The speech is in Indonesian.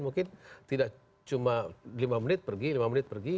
mungkin tidak cuma lima menit pergi lima menit pergi